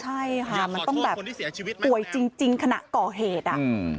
ใช่ค่ะมันต้องแบบป่วยจริงขณะก่อเหตุอ่ะ